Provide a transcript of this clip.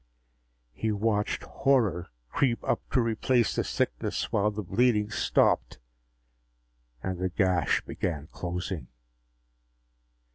He watched horror creep up to replace the sickness while the bleeding stopped and the gash began closing.